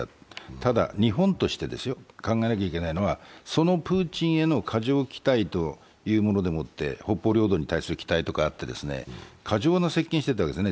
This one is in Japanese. ただ、日本として考えなきゃいけないのはそのプーチンへの過剰期待というものでもって、北方領土に対する期待とかあって過剰な接近をしたんですね。